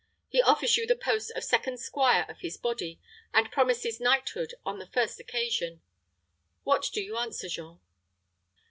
He offers you the post of second squire of his body, and promises knighthood on the first occasion. What do you answer, Jean?"